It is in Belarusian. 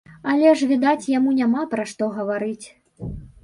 Але ж, відаць, яму няма пра што гаварыць.